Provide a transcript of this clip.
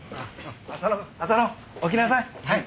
浅野浅野起きなさい。